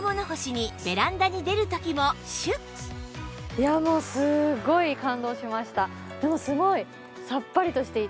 いやもうすごい感動しました！